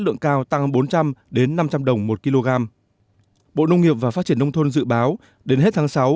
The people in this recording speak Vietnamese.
lượng cao tăng bốn trăm linh năm trăm linh đồng một kg bộ nông nghiệp và phát triển nông thôn dự báo đến hết tháng sáu